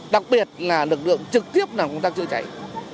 đặc biệt là lực lượng trực tiếp nào cũng đang chữa cháy